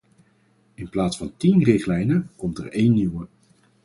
In plaats van tien richtlijnen komt er één nieuwe.